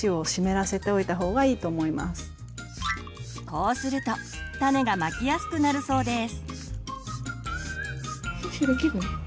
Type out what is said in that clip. こうすると種がまきやすくなるそうです。